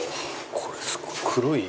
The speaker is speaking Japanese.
これすごい。